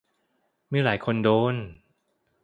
มีหลายคนโดน